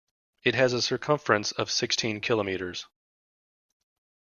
It has a circumference of sixteen kilometres.